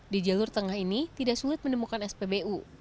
di jalur tengah ini tidak sulit menemukan spbu